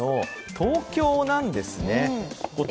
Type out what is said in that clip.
東京なんですね。